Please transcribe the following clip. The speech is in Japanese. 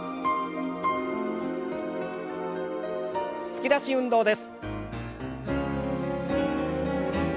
突き出し運動です。